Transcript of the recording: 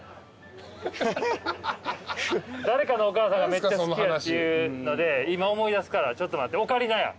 誰かのお母さんがめっちゃ好きやっていうので今思い出すからちょっと待って。